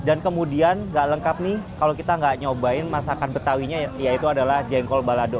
dan kemudian gak lengkap nih kalau kita gak nyobain masakan betawi nya yaitu adalah jengkol balado